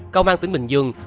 công an tỉnh bình dương